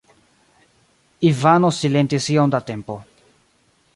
Ivano silentis iom da tempo.